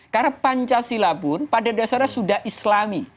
karena pancasila pun pada dasarnya sudah islami